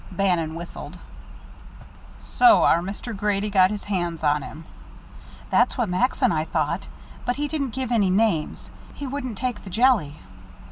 Bannon whistled. "So our Mr. Grady's got his hands on him!" "That's what Max and I thought, but he didn't give any names. He wouldn't take the jelly."